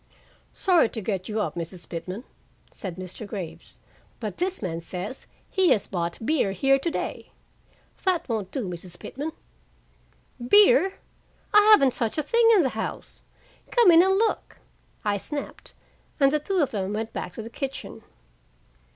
"Sorry to get you up, Mrs. Pitman," said Mr. Graves, "but this man says he has bought beer here to day. That won't do, Mrs. Pitman." "Beer! I haven't such a thing in the house. Come in and look," I snapped. And the two of them went back to the kitchen.